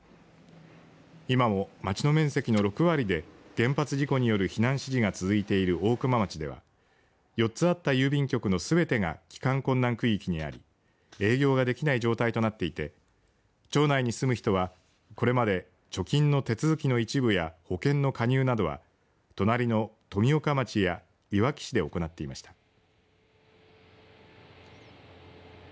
今も町の面積の６割で原発事故による避難指示が続いている大熊町では４つあった郵便局のすべてが帰還困難区域にあり営業ができない状態となっていて町内に住む人はこれまで貯金の手続きの一部や保険の加入などは隣の富岡町やいわき市で行っていました。